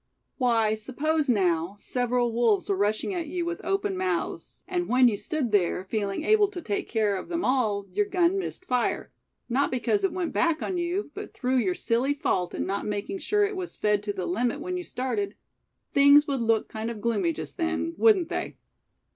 "Why, suppose now, several wolves were rushing at you with open mouths; and when you stood there, feeling able to take care of them all, your gun missed fire, not because it went back on you, but through your silly fault in not making sure it was fed to the limit when you started; things would look kind of gloomy just then, wouldn't they?"